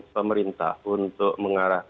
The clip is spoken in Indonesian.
pemerintah untuk mengarah